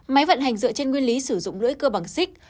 máy vận hành dựa trên nguyên lý sử dụng lưỡi cơ bằng xích